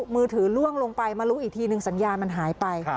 มือถือล่วงลงไปมารู้อีกทีนึงสัญญาณมันหายไป